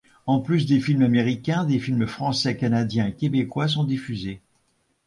En plus des films américains, des films français, canadiens et québécois sont diffusés.